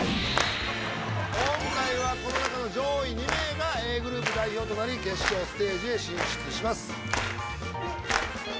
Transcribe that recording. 今回はこの中の上位２名がＡグループ代表となり決勝ステージへ進出します。